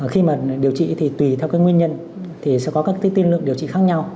khi mà điều trị thì tùy theo cái nguyên nhân thì sẽ có các cái tiên lượng điều trị khác nhau